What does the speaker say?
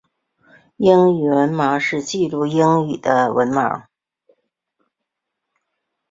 英语盲文是记录英语的盲文。